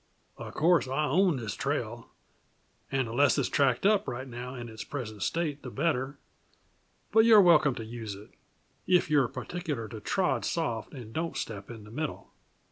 "Uh course, I own this trail, and the less it's tracked up right now in its present state the better, but you're welcome to use it if you're particular to trod soft and don't step in the middle."